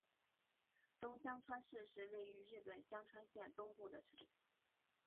东香川市是位于日本香川县东部的城市。